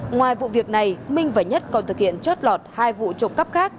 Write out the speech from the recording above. ngoài vụ việc này minh và nhất còn thực hiện chót lọt hai vụ trộm cắp khác